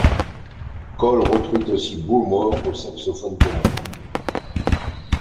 Cal recrute aussi Brew Moore au saxophone ténor.